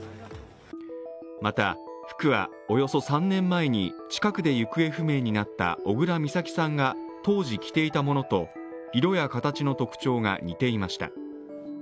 また、服はおよそ３年前に近くで行方不明になった小倉美咲さんが当時着ていたものと色や形の特徴が似ていました。